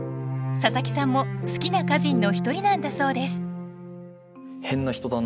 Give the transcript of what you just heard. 佐佐木さんも好きな歌人の一人なんだそうです